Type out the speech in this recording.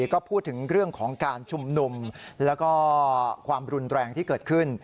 ก็พูดถึงเรื่องของการชุมนุมแล้วก็ความรุนแรงที่เกิดขึ้น